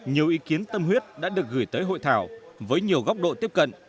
nhiều ý kiến tâm huyết đã được gửi tới hội thảo với nhiều góc độ tiếp cận